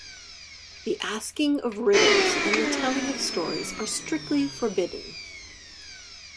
The asking of riddles and the telling of stories are strictly forbidden.